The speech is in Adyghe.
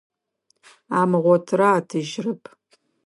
Амыгъотырэ атыжьырэп.